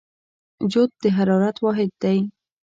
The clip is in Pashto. جوت د حرارت واحد دی.